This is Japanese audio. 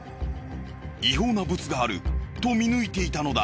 違法なブツがあると見抜いていたのだ。